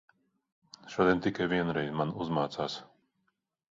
Šodien tikai vienreiz man uzmācās.